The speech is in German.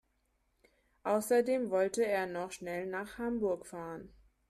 Außerdem wollte er noch schnell nach Hamburg fahren